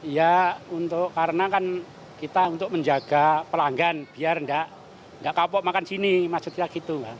ya untuk karena kan kita untuk menjaga pelanggan biar nggak kapok makan sini maksudnya gitu